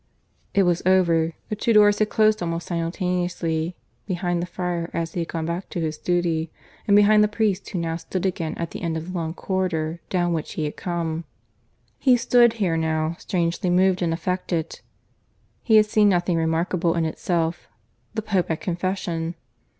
It was over; the two doors had closed almost simultaneously, behind the friar as he had gone back to his duty, and behind the priest who now stood again at the end of the long corridor down which he had come. He stood here now, strangely moved and affected. He had seen nothing remarkable in itself the Pope at confession.